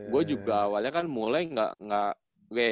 gue juga awalnya kan mulai gak